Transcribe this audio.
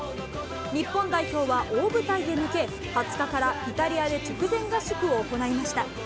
日本代表は大舞台へ向け、２０日からイタリアで直前合宿を行いました。